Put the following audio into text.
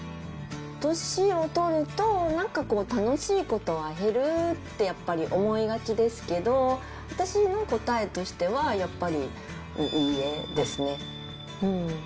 年を取ると、なんかこう、楽しいことは減る？ってやっぱり思いがちですけど、私の答えとしては、やっぱり、いいえですね。